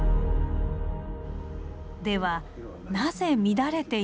ではなぜ乱れていたのか。